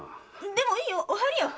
でもいいよお入りよ！